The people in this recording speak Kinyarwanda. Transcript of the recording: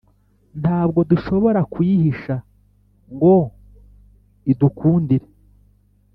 ntabwo dushobora kuyihisha ngo idukundire.